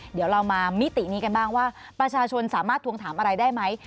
เดี๋ยวเรามามิตินี้กันบ้างว่าประชาชนสามารถทวงถามอะไรได้ไหม